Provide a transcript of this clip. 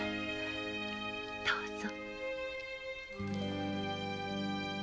どうぞ。